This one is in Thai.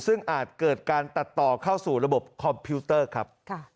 ซึ่งอาจเกิดการตัดต่อเข้าสู่ระบบคอมพิวเตอร์ครับ